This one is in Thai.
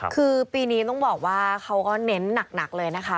คือปีนี้ต้องบอกว่าเขาก็เน้นหนักเลยนะคะ